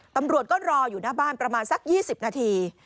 ตำรวจก็รออยู่หน้าบ้านประมาณสัก๒๐นาที